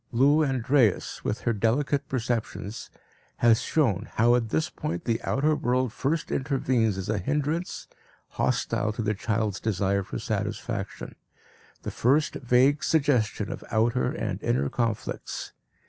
Lou Andreas, with her delicate perceptions, has shown how at this point the outer world first intervenes as a hindrance, hostile to the child's desire for satisfaction the first vague suggestion of outer and inner conflicts.